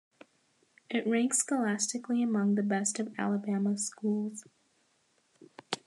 It ranks scholastically among the best of Alabama's schools.